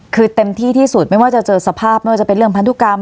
คือเต็มที่ที่สุดไม่ว่าจะเจอสภาพไม่ว่าจะเป็นเรื่องพันธุกรรม